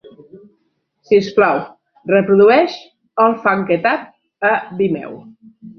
Si us plau, reprodueix All Funked Up a Vimeo